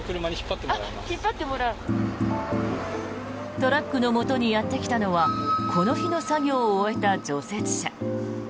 トラックのもとにやってきたのはこの日の作業を終えた除雪車。